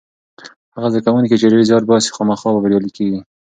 هغه زده کوونکی چې ډېر زیار باسي خامخا بریالی کېږي.